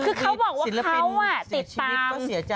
คือเขาบอกว่าเขาติดตาม